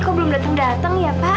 kok belum dateng dateng ya pak